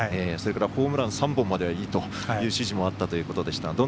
それからホームラン３本まではいいという指示もあったということでした。